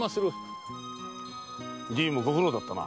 じいもご苦労だったな。